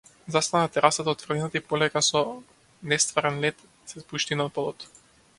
Застана на терасата од тврдината и полека, со нестварен лет се спушти на подот.